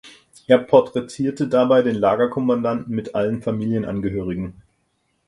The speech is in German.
Er porträtierte dabei den Lagerkommandanten mit allen Familienangehörigen.